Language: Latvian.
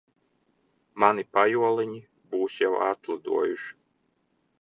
Mani pajoliņi būs jau atlidojuši.